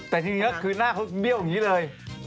แต่ทีนี้คือหน้าเขาเบี้ยวอย่างนี้เลย